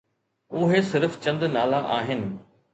اهي صرف چند نالا آهن.